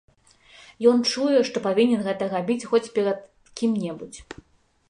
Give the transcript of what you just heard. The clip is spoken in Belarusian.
Ён чуе, што павінен гэта рабіць хоць перад кім-небудзь.